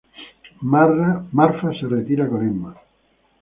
Marfa se retira con Emma.